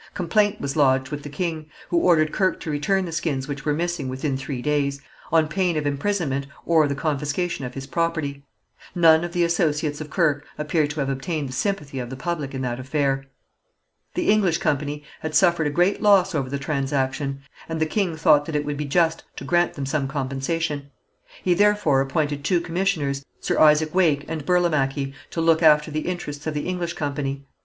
Complaint was lodged with the king, who ordered Kirke to return the skins which were missing within three days, on pain of imprisonment or the confiscation of his property. None of the associates of Kirke appear to have obtained the sympathy of the public in that affair. The English company had suffered a great loss over the transaction, and the king thought that it would be just to grant them some compensation. He therefore appointed two commissioners, Sir Isaac Wake and Burlamachi, to look after the interests of the English company.